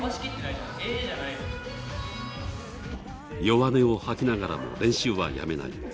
弱音をはきながらも練習はやめない。